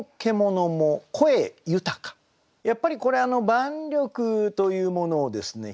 やっぱりこれ万緑というものをですね